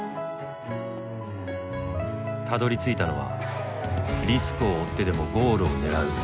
たどりついたのは「リスクを負ってでもゴールを狙う」